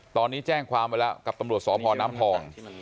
ตอนนี้แจ้งความไว้แล้วกับตำรวจสพน้ำพอง